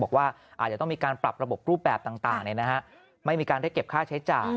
บอกว่าอาจจะต้องมีการปรับระบบรูปแบบต่างไม่มีการเรียกเก็บค่าใช้จ่าย